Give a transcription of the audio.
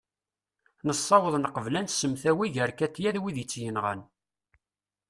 nessaweḍ neqbel ad nsemtawi gar katia d wid i tt-yenɣan